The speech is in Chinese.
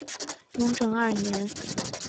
雍正二年。